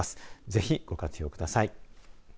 ぜひ、ご活用ください。